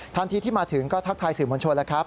ทันทีที่มาถึงก็ทักทายสื่อมวลชนแล้วครับ